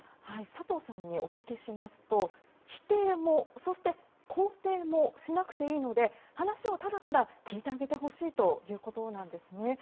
佐藤さんにお聞きしますと否定もそして、肯定もしなくていいので話をただただ聞いてあげてほしいということなんですね。